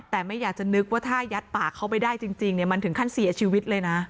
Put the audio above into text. แต่ไม่อยากจะนึกว่าถ้ายัดปากเขาไปได้จริงมันถึงขั้นเสียชีวิตเลยนะ